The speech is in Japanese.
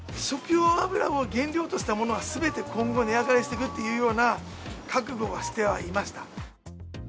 食用油を原料としたものはすべて今後、値上がりしてくるというような覚悟はしてはいました。